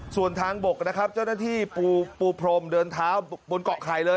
ส่วนทางบกนะครับเจ้าหน้าที่ปูพรมเดินเท้าบนเกาะไข่เลย